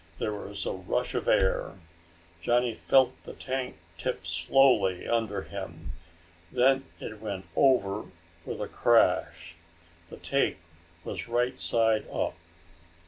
There was a rush of air. Johnny felt the tank tip slowly under him. Then it went over with a crash. The tank was right side up.